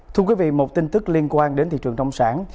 thưa quý vị một tin tức liên quan đến thị trường nông sản